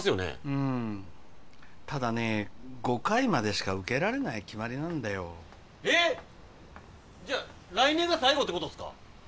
うんただね５回までしか受けられない決まりなんだよえっじゃ来年が最後ってことっすか？